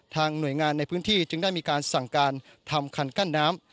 หน่วยงานในพื้นที่จึงได้มีการสั่งการทำคันกั้นน้ำ